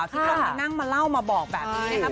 ที่เข้ามานั่งมาเล่ามาบอกแบบนี้นะครับ